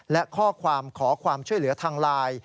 และข้อความขอความช่วยเหลือทางไลน์